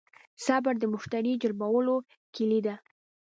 صبر د مشتری جلبولو کیلي ده.